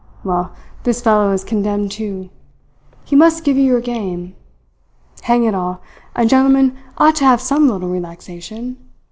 Well, this fellow is condemned, too. He must give you your game. Hang it all, a gentleman ought to have some little relaxation!